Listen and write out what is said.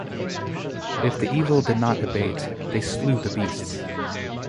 If the evil did not abate, they slew the beasts.